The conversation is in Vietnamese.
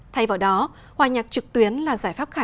thay vào đó hòa nhạc trực tuyến là giải pháp khả